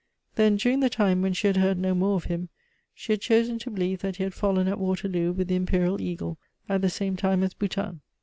Then during the time when she had heard no more of him, she had chosen to believe that he had fallen at Waterloo with the Imperial Eagle, at the same time as Boutin.